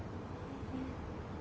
えっ。